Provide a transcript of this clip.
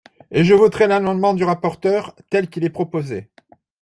Et je voterai l’amendement du rapporteur tel qu’il est proposé.